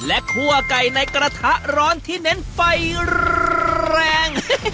และคั่วไก่ในกระทะร้อนที่เน้นไฟแรง